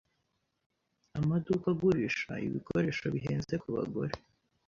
Amaduka agurisha ibikoresho bihenze kubagore.